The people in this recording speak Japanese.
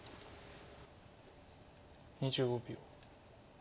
２５秒。